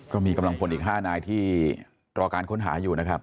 ก็มีกำลังพลอีก๕นายที่รอการค้นหาอยู่นะครับ